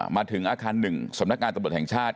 มาถึงอาคาร๑สำนักงานตำรวจแห่งชาติ